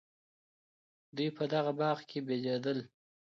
دوی په دغه باغ کي بېدېدل.